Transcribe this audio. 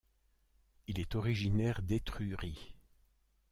Il est originaire d'Étrurie.